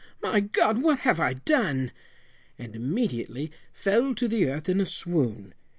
my God; what have I done?" and immediately fell to the earth in a swoon.